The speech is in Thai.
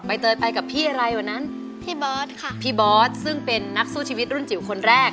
เตยไปกับพี่อะไรวันนั้นพี่เบิร์ตค่ะพี่บอสซึ่งเป็นนักสู้ชีวิตรุ่นจิ๋วคนแรก